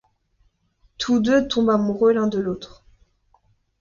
Tous deux tombent amoureux l'un de l'autre.